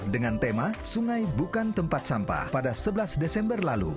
dengan tema sungai bukan tempat sampah pada sebelas desember lalu